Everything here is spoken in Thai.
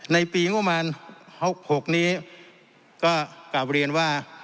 ในปีงบประมาณ๖๖นี้ก็กลับเรียนว่า